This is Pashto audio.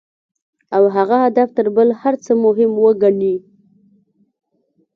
او هغه هدف تر بل هر څه مهم وګڼي.